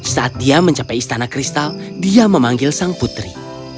saat dia mencapai istana kristal dia memanggil sang putri